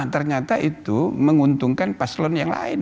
ternyata itu menguntungkan paslon yang lain